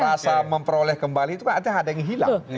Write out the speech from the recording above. perasa memperoleh kembali itu kan artinya ada yang hilang